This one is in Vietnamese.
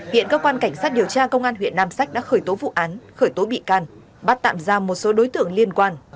hiện cơ quan cảnh sát điều tra công an huyện nam sách đã khởi tố vụ án khởi tố bị can bắt tạm ra một số đối tượng liên quan